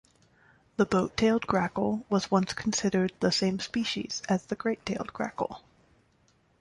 The boat-tailed grackle was once considered the same species as the great-tailed grackle.